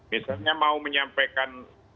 misalnya mau menyampaikan